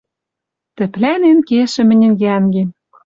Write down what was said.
Тӹплӓнен кешӹ мӹньӹн йӓнгем